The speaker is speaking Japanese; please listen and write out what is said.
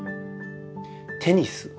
テニス。